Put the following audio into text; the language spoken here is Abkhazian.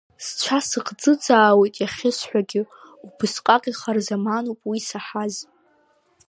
Сцәа сыхӡыӡаауеит иахьысҳәогьы, убасҟак ихарзамануп уи исаҳаз…